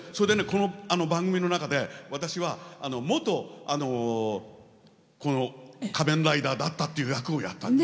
この番組の中で私は、元仮面ライダーだったっていう役をやったんです。